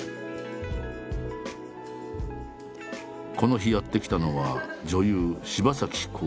この日やって来たのは女優柴咲コウ。